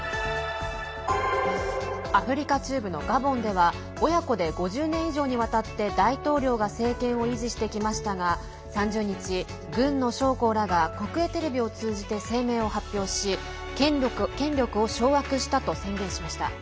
アフリカ中部のガボンでは親子で５０年以上にわたって大統領が政権を維持してきましたが３０日、軍の将校らが国営テレビを通じて声明を発表し権力を掌握したと宣言しました。